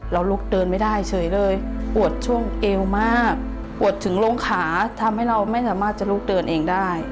ลุกเดินไม่ได้เฉยเลยปวดช่วงเอวมากปวดถึงโรงขาทำให้เราไม่สามารถจะลุกเดินเองได้